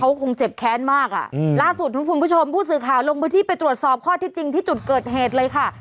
เขาคงเจ็บแค้นมากอ่ะอืมล่าสุดทุกคุณผู้ชมผู้สื่อข่าวลงพื้นที่ไปตรวจสอบข้อที่จริงที่จุดเกิดเหตุเลยค่ะ